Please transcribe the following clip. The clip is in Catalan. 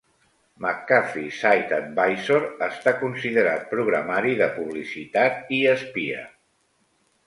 McAfee Site Advisor està considerat programari de publicitat i espia.